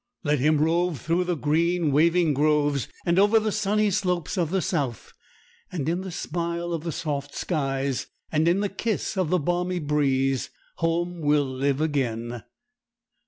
Let him rove through the green, waving groves and over the sunny slopes of the south, and in the smile of the soft skies, and in the kiss of the balmy breeze, home will live again.